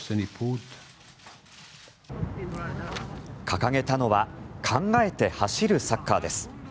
掲げたのは考えて走るサッカーです。